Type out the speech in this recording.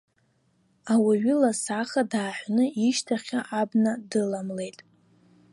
Ауаҩы ласаха дааҳәны ишьҭахьҟа абна дыламлеит.